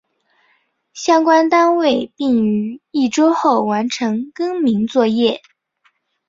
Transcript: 相关单位并于一周后完成更名作业。